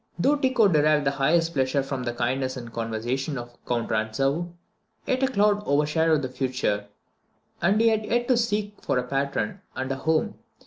Though Tycho derived the highest pleasure from the kindness and conversation of Count Rantzau, yet a cloud overshadowed the future, and he had yet to seek for a patron and a home.